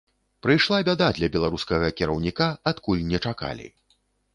Прыйшла бяда для беларускага кіраўніка, адкуль не чакалі.